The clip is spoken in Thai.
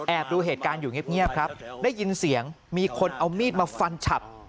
ดูเหตุการณ์อยู่เงียบครับได้ยินเสียงมีคนเอามีดมาฟันฉับ